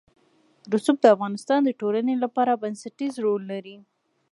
رسوب د افغانستان د ټولنې لپاره بنسټيز رول لري.